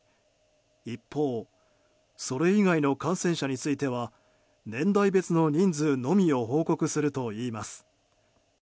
一方それ以外の感染者については年代別の人数のみを報告するといいます。